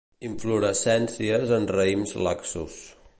Inflorescències en raïms laxos.